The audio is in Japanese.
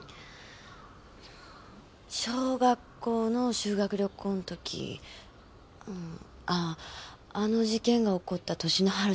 小学校の修学旅行んときあぁあの事件が起こった年の春です。